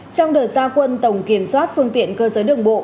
trong đợt gia quân tổng kiểm soát phương tiện cơ giới đường bộ